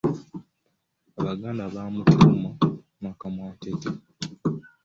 Abaganda bamutuuma nnakamwantette.